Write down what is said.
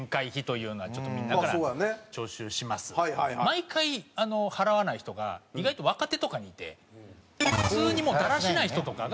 毎回払わない人が意外と若手とかにいて普通にだらしない人とかが。